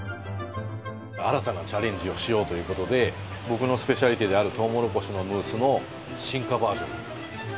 新たなチャレンジをしようという事で僕のスペシャリテであるとうもろこしのムースの進化バージョン。